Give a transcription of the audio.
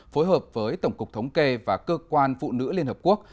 phối hợp với tổng cục thống kê và cơ quan phụ nữ liên hợp quốc